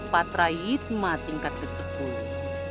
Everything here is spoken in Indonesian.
patra hitmah tingkat ke sepuluh